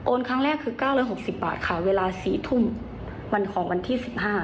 ครั้งแรกคือ๙๖๐บาทค่ะเวลา๔ทุ่มวันของวันที่๑๕